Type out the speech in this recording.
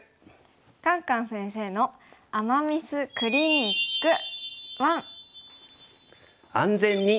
「カンカン先生の“アマ・ミス”クリニック１」。